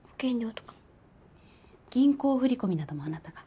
銀行振り込みなどもあなたが？